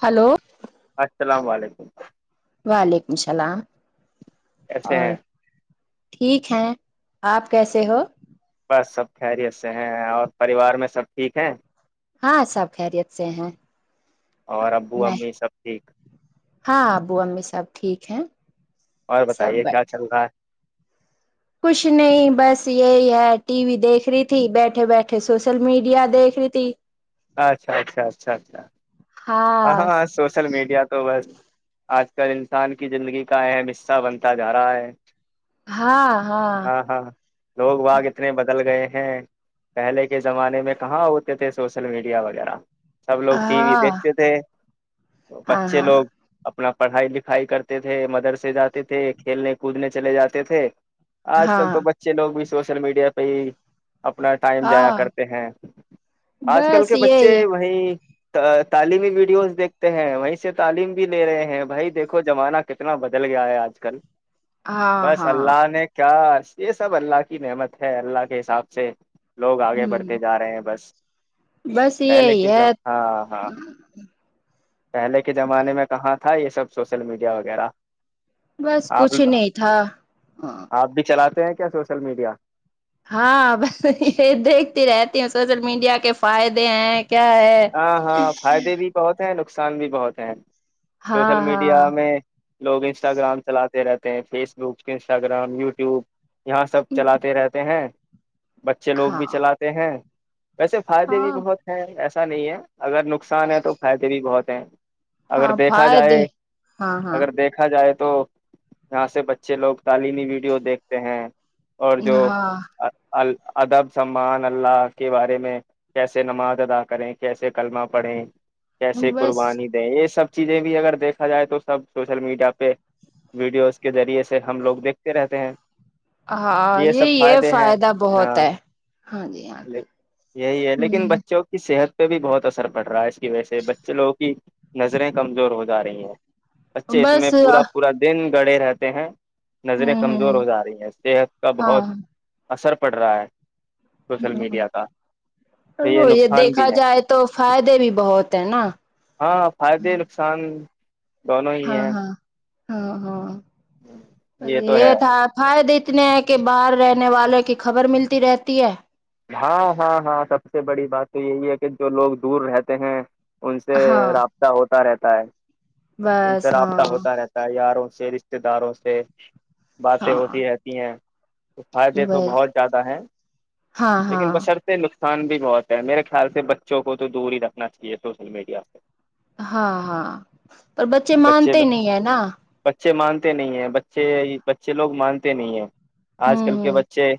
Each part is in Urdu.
ہلو السلام علیکم وعلیکم السلام کیسے اور ہیں ٹھیک ہے اپ کیسے ہو بس سب خیریت سے ہیں اور پریوار میں سب ٹھیک ہیں ہاں سب خیریت سے ہیں اور ابو میں امی سب ٹھیک ابو امی صاحب ٹھیک ہے اور بتائیے کیا چل رہا ہے کچھ نہیں بس یہی ہے ٹی وی دیکھ رہی تھی بیٹھے بیٹھے سوشل میڈیا دیکھ رہی تھی اچھا اچھا اچھا اچھا اچھا اچھا ہاں ہاں سوشل میڈیا اج کل انسان کی زندگی کا اہم حصہ بنتا جا ہاں ہاں لوگ وہاں کتنے بدل گئے ہیں پہلے کے زمانے میں کہاں ہوتے تھے سوشل میڈیا وغیرہ سب لوگ ٹی وی ہاں دیکھ تھے ہاں بچے ہاں لوگ اپنا پڑھائی لکھائی کرتے تھے مدرسے جاتے تھے کھیلنے کودنے چلے جاتے تھے آج کل ہاں تو بچے لوگ بھی سوشل میڈیا پہ اپنا ٹائم جایا ہاں کرتے ہیں آج کل بس کے بچے یہی ہے وہیں ا [unintelligible] تعلیمی ویڈیوز دیکھتے ہیں وہیں سے تعلیم بھی لے رہے ہیں بھائی دیکھو زمانہ کتنا بدل گیا ہے آج کل ہاں بس ہاں اللہ نے کیا یہ سب اللہ کی نعمت ہے اللہ کے حساب سے لوگ ہ آگے بڑھتے جا رہے ہیں بس بس پہلے یہی کی جؤ ہے ہاں ہاں پہلے کے زمانے میں کہاں تھا یہ سب سوشل میڈیا وغیرہ بس آپ کچھ نہیں تھا ہ آپ بھی چلاتے کیا سوشل میڈیا بس یہ دیکھتی رہتی ہ سوشل میڈیا کے فائدے ہیں کیا ہے ہاں ہاں فائدے بھی بہت ہیں نقصان بھی بہت ہیں سوشل ہاں میڈیا ہاں میں لوگ انسٹاگرام چلاتے رہتے ہیں فیس بک انسٹاگرام یوٹیوب یہاں سب چلاتے رہتے ہیں بچے لوگ ہاں بھی چلاتے ہیں ویسے فائدے بھی ہاں بہت ہیں ای ایچسا نہیں ہے اگر نقصان ہے تو فائدے بھی بہت س [unintelligible] اگر ہاں دیکھا فائدے جائے ہاں ہاں اگر دیکھا جائے تو تو یہاں سے بچے لوگ تعلیمی ویڈیو دیکھتے ہیں اور جو ہاں ال ادب سمان اللہ کے بارے میں کیسے نماز ادا کریں کیسے کلمہ پڑھیں کیسے بس قربانی دیں یہ سب چیزیں بھی اگر دیکھا جائے تو سب سوشل میڈیا پہ ویڈیوز کے ذریعے سے ہم لوگ دیکھتے رہتے ہیں ہاں یہ سب یہ فائدے ہیں فائدہ بہت ہاں ہے ہاں جی ہاں جی یہی ہے لیکن ہوں بچوں کی صحت پہ بھی بہت اثر پڑ رہا ہے ویسے بچے لوگوں کی نظریں کمزور ہو جا رہی ہیں اچھا اس میں بس پورا ہوں پورا دن گڑے رہتے ہیں نظریں کمزور ہوں ہو جا رہی ہیں صحت کا ہاں بہت اثر پڑ رہا ہے سوشل میڈیا کا تو وہ یہ نقصان دیکھا بھی ہے جائے تو فائدے بھی بہت [unintelligible] ہاں ہاں فائدے نقصان دونوں ہی ہاں ہیں ہاں ہاں ہاں یہ تو ہے تھا فائے د اتنے ہیں کہ باہر رہنے والوں کی خبر ملتی رہتی ہے ہاں ہاں ہاں سب سے بڑی بات تو یہی ہے کہ جو لوگ دور رہتے ہیں ان سے ہاں رابطہ ہوتا رہتا سائ ان سے بس رابطہ ہاں ہوتا رہتا ہے یار جے رشتتے داروں سے باتیں ہاں ہوتی رہتی ہیں تو فائدے تو بس بہت زیادہ ہیں ہاں ہاں لیکن بشرتے ن نقصان بھی بہت ہے میرے خیال سے بچوں کو تو دور ہی رکھنا چاہیے سوشل میڈیا سے ہاں ہاں پر بچے مانتے نہیں ہیں نا بچے مانتے نہیں ہیں بچے بچے لوگ مانتے نہیں ہیں آج ہوں کل کے ہوں بچے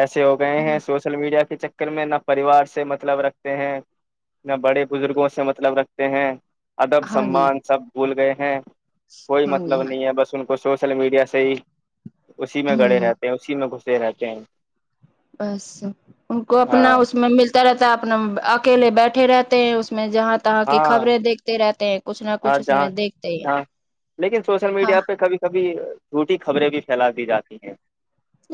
ایسے ہو گئے ہیں سوشل میڈیا کے چکر میں نہ پریوار سے مطلب رکھتے ہیں نہ بڑے بزرگوں سے مطلب رکھتے ہیں ادب ہاں جی سمان سب بھول گئے ہیں کوئی ہاں جی مطلب ہاں نہیں ہے بس ان کو سوشل میڈیا سے ہی اسی جی میں گڑے ہوں ہ رہتے ہیں اسی میں گس سینا کیاین بس ان کو اپنا اس میں مل طرح طر اپنا اکیلے بیٹھے رہتے ہیں اس میں جہاں تہاں کی ہاں خبریں دیکھتے رہتے ہیں کچھ نہ ہاں کچھ اس میں جہاں دیکھتے ہیں ہاں لیکن سوشل ہاں میڈیا پہ کبھی کبھی جھوٹی خبریں بھی پھیلا دی جاتی ہیں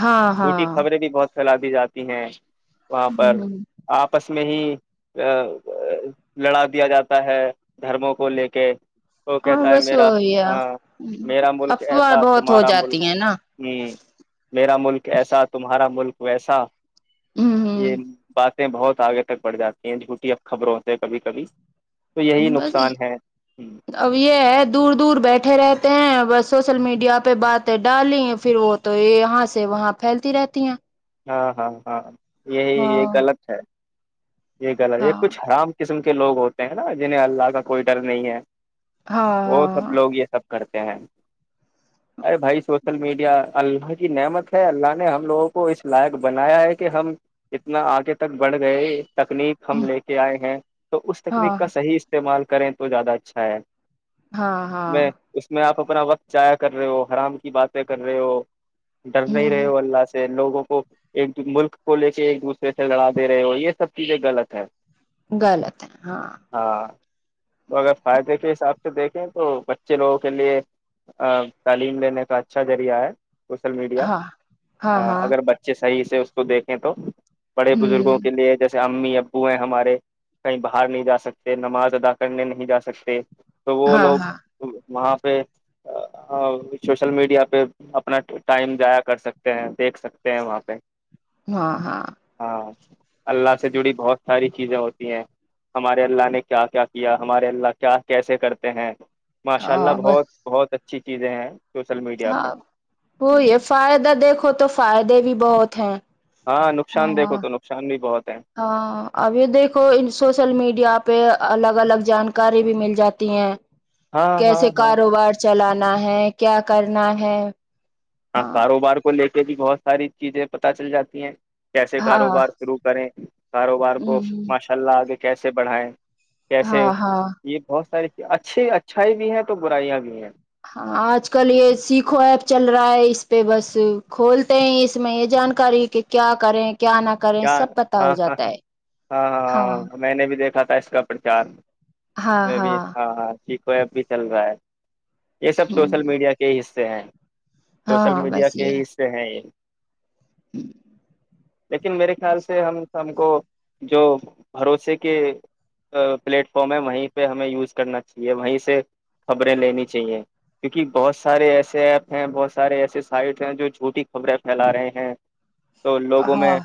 ہاں ہاں جھوٹی خبریں بھی بہت پھیلا دی جاتی ہیں وہاں پر ہ آپس میں ہی لڑا دیا جاتا ہے دھرموں کو لے کے کہ وہ اور کہتا ہے بس میرا وہی ہے ہاں میرا ملک افواہ ایسا بہت ہو تمہارا ملک جاتی ہیں نا ہ میرا ملک ایسا تمہارا ملک ویسا ہ یہ بق بہت آگے تک بڑ جاتی ہیں جھوٹی اب خبر ہوتے ہے کبھی کبھی تو یہی ہ بس نقصان ہے اب یہ ہے دور دور بیٹھے رہتے ہیں ب سوشل میڈیا پہ باتیں ڈالی پھر وہ تو یہاں سے وہاں پھیلتی رہتی ہیں ہاں ہاں ہاں یہی یہ ہاں غلط ہے یہ گ ہے یہ ہاں کچھ آرام قسم کے لوگ ہوتے ہیں نا جنہیں اللہ کا کوئی ڈر نہیں ہے وہ سب ہاں لوگ یہ سب کرتے ہیں ارے بھائی سوسل میڈیا اللہ کی نعمت ہے اللہ نے ہم لوگوں کو اس لائق بنایا ہے کہ ہم اتنا آگے تک بڑھ گئے تکنیک ہم لے کے آئے ہیں تو اس تکنیک ہاں کا صحیح استعمال کریں تو زیادہ اچھا ہے ہاں میں ہاں اس میں آپ اپنا وقت جایا کر رہے ہو حرام کی باتیں کر رہے ہو ڈر نہیں رہے ہ ہو اللہ سے لوگوں کو ایک ملک کو لے کے ایک دوسرے سے لڑا دے رہے ہو یہ سب چیزیں غلط ہے غلط ہے ہاں ہاں تو اگر فائدے کے حساب سے دیکھیں تو بچے لوگوں کے لیے تعلیم لینے کا اچھا ذریعہ ہے سوشل میڈیا ہاں ہاں ہاں اگر بچے سے صحیح سے اس کو دیکھیں تو بڑے بزرگوں ہوں کے لیے جیسے جسے امی ابو ہیں ہمارے کہیں باہر نہیں جا سکتے نماز ادا کرنے نہیں جا سکتے تو وہ ہاں لوگ ہاں وہاں پہ سوشل میڈیا پہ اپنا ٹائم جضایا کر سکتے ہیں دیکھ سکتے ہیں وہاں پہ ہاں ہاں ہاں اللہ بہت ساری چیزیں ہوتی ہیں ہمارے اللہ نے کیا کیا کیا ہمارے اللہ کیا کیسے کرتے ہیں ماشاء اللہ ہ بس بہت بہت اچھا اچھی چیزیں ہیں سوشل میڈیا پہ ہاں وہ ہے فائدہ دیکھو تو فائدے بھی بہت ہیں ہاں نقصان دیکھو ہاں تو نقصان بھی بہت ہے ہاں ابھی دیکھو سوشل میڈیا پہ الگ الگ جانکاری بھی مل جاتی ہیں ہاں ہاں کیسے ہاں کاروبار سے چلانا ہے کیا کرنا ہے ہاں کاروبار کو لے کے پ بھی بہت ساری چیزیں پتہ چل جاتی ہیں کیسے ہاں کاروبار شروع کریں کاروبار ہ کو ماشاء اللہ آگے کیسے بڑھائیں کیسے ہاں ہاں یہ بہت ساری اچھی اچھائی بھی ہے تو برائیاں بھی ہیں ہاں آج کل یہ سیکھو ایپ چل رہا ہے اس پہ بس کھولتے ہیں اس میں یہ جانکاری کہ کیا کریں کیا نہ کریں کیا ہاں سب پتا ہو ہاں ہاں جاتا ہاں ہے ہاں ہاں میں نے بھی دیکھا تھا اس کا پرچار اس میں بھی ہاں ہاں س کو ایب بھی چل رہا ہے یہ سب ہ سوشل میڈیا کے ہی حصہ سے سوشل ہاں میڈیا بس کے یہ ہی حصے ہیں یہ [unintelligible] لیکن میرے خیال سے ہم ہم کو جو بھروسے کے پلیٹ فارم ہے وہیں پہ ہمیں یوز کرنا چاہیے وہیں سے خبریں لینی چاہیے کیونکہ بہت سارے ایسے ایپ ہیں بہت سارے ایسے سائٹ ہیں جو جھوٹی خبریں پھیلا رہے ہیں تو لوگوں میں ہاں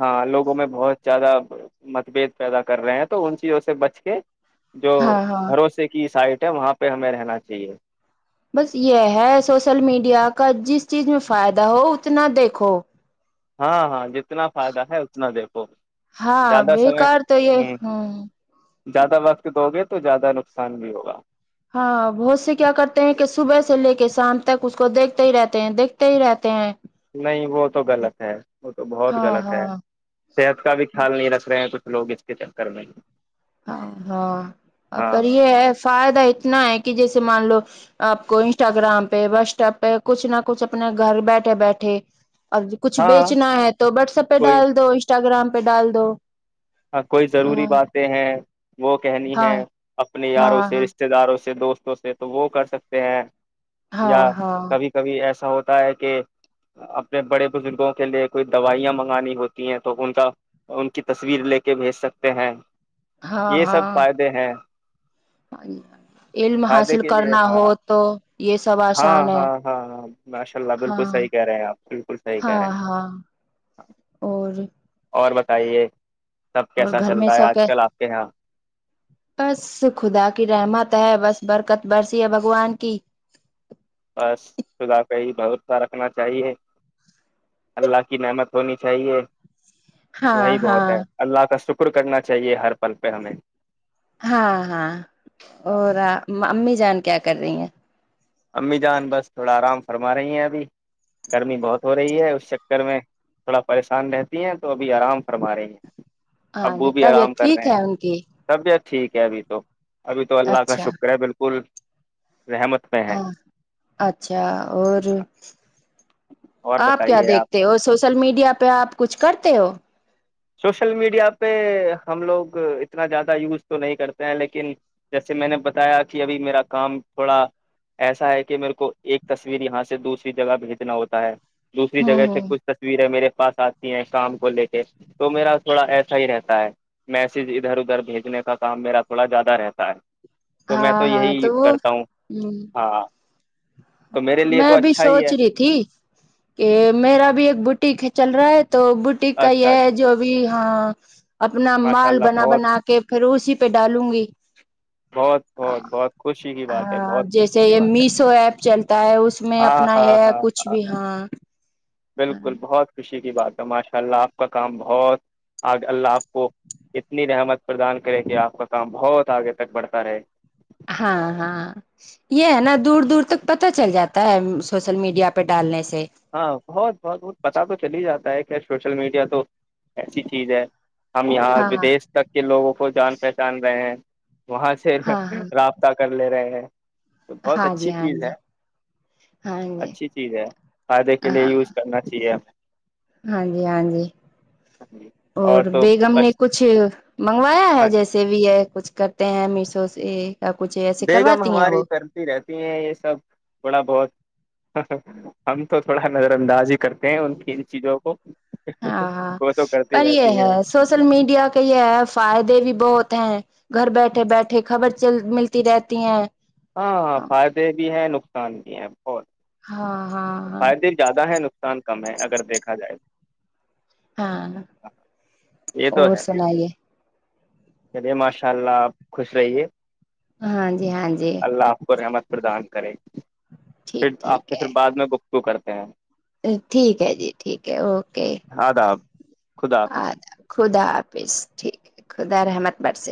ہاں لوگوں میں بہت زیادہ متبد پیدا کر رہے ہیں تو ان چیزوں سے بچ کے جو ہاں ہاں بھروسے کی سائڈ وہاں پہ ہمیں رہنا چاہیے بس یہ ہے سوشل میڈیا کا جس چیز میں فائدہ ہو اتنا دیکھو ہاں ہاں جتنا فائدہ ہے اتنا د تو ہاں زیادہ سمے بےیکار تو یہ ہوں ہوں زیادہ وقت دو گے تو زیادہ نقصان بھی ہوگا ہاں بہت سے کیا کرتے ہیں کہ صبح سے لے کے شام تک اس کو دیکھتے ہی رہتے ہیں دیکھتے ہی رہتے ہیں نہیں وہ تو غلط ہے وہ تو بہت ہاں غلط ہے ہاں صحت کا بھی خیال نہیں رکھ رہے ہیں کچھ لوگ اس کے چکر میں ہاں ہاں ہاں پر یہ ہے فائدہ اتنا ہے کہ جیسے سے مان لو آپ کو انسٹاگرام پہ واٹس ایپ پہ کچھ نہ کچھ اپنے گھر بیٹھے بیٹھے اب کچھ ہاں بیچنا ہے تو واٹسپ پہ کوئی ڈال دو انسٹاگرام میں ڈال دو ہاں کوئی ضروری ہاں باتیں ہیں وہ کہنی ہے ہاں اپنے یاروں ہاں سے ہاں رشتے داروں سے اچھے دوستوں سے تو وہ کر سکتے ہیں یا ہاں ہاں کبھی کبھی ایسا ایا ہوتا ہے کہ اپنے بڑے بزرگوں کے لیے کوئی دوائیاں منگانی ہوتی ہیں تو ان کا ان کی تصویر لے کے کے بھیج سکتے ہیں ہاں یہ سب ہاں فائدے ہیں علم فائدے حاصل کے لیے کرنا ہو ہاں تو یہ سب ہاں آسان ہے ہاں ہاں ہاں ماشاء اللہ بالکل ہاں صحیح کہہ رہے ہیں آپ بالکل صحیح کہہ ہاں رہے ہیں ہاں اور تاہے اور گھر میں سب کہ بس خدا کی رحمت ہے بس برکت برسی ہے بھگوان کی بس خدا کا ہی بھروسہ رکھنا چاہیے اللہ کی نعمت ہونی چاہیے ہاں وہی بہت ہاں ہے اللہ کا شکر شکر کرنا چاہیے ہر پل پہ ہمیں ہاں ہاں ہاں اور امی جان کیا کر رہی ہیں امی جان بس تھوڑا آرام فرما رہی ہیں ابھی گرمی بہت ہو رہی ہے اس چکر میں تھوڑا پریشان رہتی ہیں تو ابھی آرام فرما رہی ہیں ہاں ج ابو بھی تب یہ آرام کر ٹھیک رہے ہے ہیں ان کی طبیعت ٹھیک ہے ابھی تو ابھی تو اللہ کا اچھا شکر ہے بالکل رحمت میں ہے ہاں اچھا اور اور آپ کیا بتائیے دیکھتے ہو سوشل میڈیا پہ آپ کچھ کرتے ہو سوشل میڈیا پہ ہم لوگ اتنا زیادہ یوز تو نہیں کرتے ہیں لیکن جیسے میں نے بتایا کہ ابھی میرا کام تھوڑا ایسا ہے کہ میرے کو ایک تصویر یہاں سے دوسری جگہ بھیجنا ہوتا ہے دوسری ہوں جگہ سے ہوں کچھ تصویر ہے میرے پاس آتی ہیں کام کو لے کے تو میرا تھوڑا ایسا ہی رہتا ہے میسج ادھر ادھر بھیجنے کا کام میرا تھوڑا زیادہ رہتا ہے تو میں ہاں ہاں تو یہی وہ کرتا ہوں ہ ہاں تو میرے لیے میں تو بھی اچھا ہی سوچ ہے رہی تھی کہ میرا بھی ایک بٹی چل رہا ہے تو بوٹیک کا اچھا یہ اچھا جو بھی ہاں اپنا ماشاء مال اللہ بنا بہت بنا کے پھر اسی پہ ڈالوں گی بہت بہت بہت خوشی کی بات ہے بہت خوشی کی بات ہے سو ایپ چلتا ہے اس میں ہاں اپنا ہاں یہ ہاں کچھ بھی ہاں بالکل بہت خوشی بات ہے ماشاء اللہ آپ کا کام بہت اللہ آپ کو اتنی رحمت پردان کرے کہ آپ کا کام بہت آگے تک بڑھتا رہے ہاں ہاں یہ ہے نا دور دور تک پتا چل جاتا ہے سوشل میڈیا پہ ڈالنے سے ہاں بہت بہت بہت پتا تو چل ہی جاتا ہے کیسے سوشل میڈیا تو ایسی چیز ہے ہم یہاں ہاں ودیش تک کے لوگوں کو کو جان پہچان رہے ہیں وہاں سے ہاں ہاں رابطہ کر لے رہے ہیں تو بہت ہاں جی اچھی ہاں چیز ہے جی ہاں جی اچھی چیز ہے فائدے کے ہاں لیے یوز کرنا چاہیے ہمیں ہاں جی ہاں جی ہمیں اور تو بیگم نے بس کچھ منگوایا ہے ہاں جیسے بھی ہے کچھ کرتے ہیں میشو سے ایک بیگم ہماری کرتی رہتی ہیں یہ سب تھوڑا بہت ہم تو تھوڑا نظر انداز ہی کرتے ہیں ان کی ان چیزوں کو ہاں ہاں وہ تو کرتی پر یہ رہتی ہے سوشل میڈیا کے یہ ہے فائدے بھی بہت ہیں گھر بیٹھے بیٹھے خبر چل ملتی رہتی ہیں ہاں ہاں فائدے بھی ہیں نقان [inaudible] اور ہاں ہاں فائدے زیادہ ہیں نقصان کم ہے اگر دیکھا جائے ہاں تو۔ یہ تو اور ہے سنائیے چلیے ماشاء اللہ آپ خوش رہیے [unintelligible] اللہ آف کو رحمت پردان کرے ٹھیک پھر آپ ٹھیک نے پھر ہے بعد میں گ کو کرتے ہیں ٹھیک ہے جی ٹھیک ہے اوکے آداب خدا حافظ ہ خدا حافظ ٹھیک ہے خدا رحمت برس